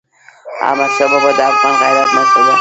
احمدشاه بابا د افغان غیرت نښه وه.